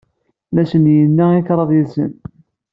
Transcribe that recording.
I asen-yenna i kraḍ yid-sen.